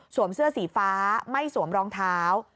เสื้อสีฟ้าไม่สวมรองเท้า